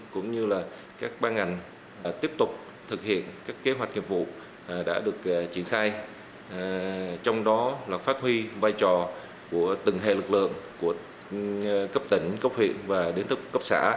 cũng như là các ban ngành tiếp tục thực hiện các kế hoạch nghiệp vụ đã được triển khai trong đó là phát huy vai trò của từng hệ lực lượng của cấp tỉnh cấp huyện và đến tức cấp xã